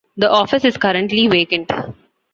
The office is currently vacant.